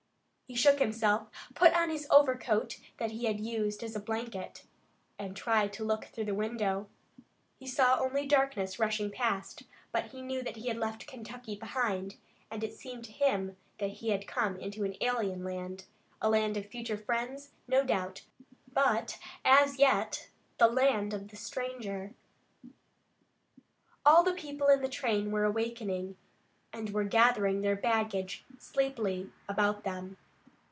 He shook himself, put on his overcoat that he had used as a blanket, and tried to look through the window. He saw only darkness rushing past, but he knew that he had left Kentucky behind, and it seemed to him that he had come into an alien land, a land of future friends, no doubt, but as yet, the land of the stranger. All the people in the train were awakening, and were gathering their baggage sleepily about them.